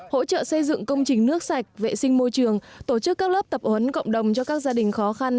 hỗ trợ xây dựng công trình nước sạch vệ sinh môi trường tổ chức các lớp tập huấn cộng đồng cho các gia đình khó khăn